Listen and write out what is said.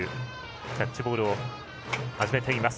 キャッチボールを始めています。